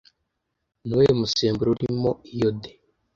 Ni uwuhe musemburo urimo iyode